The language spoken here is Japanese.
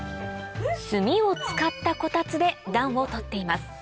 炭を使ったこたつで暖をとっています